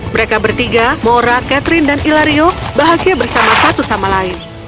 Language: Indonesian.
mereka bertiga mora catherine dan ilario bahagia bersama satu sama lain